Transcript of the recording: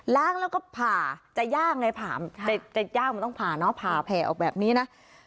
แล้วก็ผ่าจะย่างไงผ่าจะย่างมันต้องผ่าเนอะผ่าแผ่ออกแบบนี้นะ